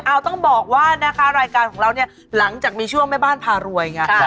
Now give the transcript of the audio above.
เอาต้องบอกว่านะคะรายการของเราเนี่ยหลังจากมีช่วงแม่บ้านพารวยไง